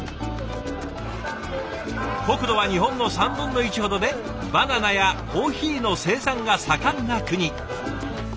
国土は日本の３分の１ほどでバナナやコーヒーの生産が盛んな国。